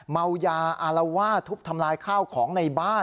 เมายาอารวาสทุบทำลายข้าวของในบ้าน